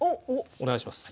お願いします。